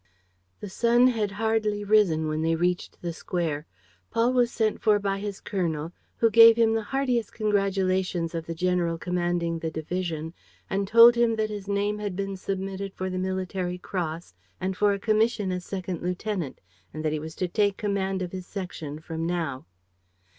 ..." The sun had hardly risen when they reached the square. Paul was sent for by his colonel, who gave him the heartiest congratulations of the general commanding the division and told him that his name had been submitted for the military cross and for a commission as second lieutenant and that he was to take command of his section from now.